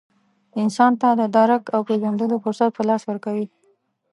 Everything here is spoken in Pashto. انسان ته د درک او پېژندلو فرصت په لاس ورکوي.